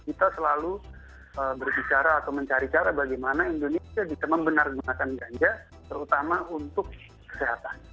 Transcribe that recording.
kita selalu berbicara atau mencari cara bagaimana indonesia bisa membenar gunakan ganja terutama untuk kesehatan